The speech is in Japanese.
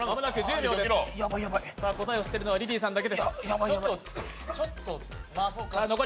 答えを知っているのはリリーさんだけです。